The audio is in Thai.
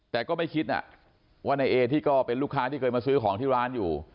แต่ก็ไม่คิดว่านายเอที่ก็เป็นลูกค้าที่เคยมาซื้อของที่ร้านอยู่